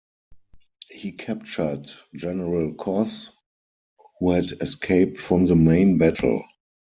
He captured General Cos, who had escaped from the main battle.